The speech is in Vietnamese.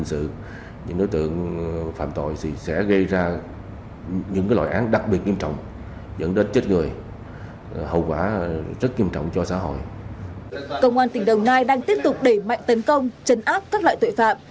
công an tỉnh đồng nai đang tiếp tục đẩy mạnh tấn công chấn áp các loại tội phạm